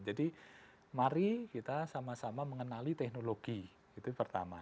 jadi mari kita sama sama mengenali teknologi itu pertama